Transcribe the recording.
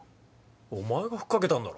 お前が吹っ掛けたんだろ？